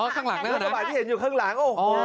รถกระบาดที่เห็นอยู่ข้างหลัง